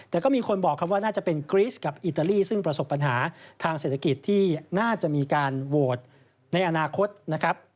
แต่ก็มีคนบอกครับว่าน่าจะเป็นกรีสกับอิตาลีซึ่งประสบปัญหาทางเศรษฐกิจที่น่าจะมีการโหวตในอนาคตนะครับ